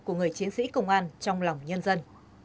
của người chiến sĩ công an trong lòng nhân dân